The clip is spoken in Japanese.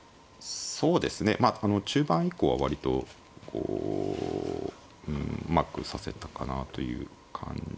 そうですねまあ中盤以降は割とこううまく指せたかなという感じはしますかね。